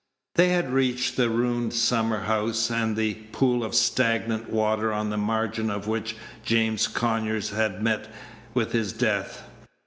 They had reached the ruined summer house, and the pool of stagnant water on the margin of which James Conyers had met with his death.